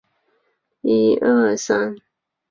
你妈妈也不用那么辛苦的工作